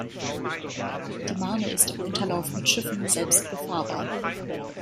Die Marne ist im Unterlauf mit Schiffen selbst befahrbar.